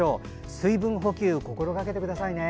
水分補給、心がけてくださいね。